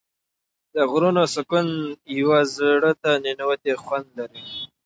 د غرونو سکون یو زړه ته ننووتی خوند لري.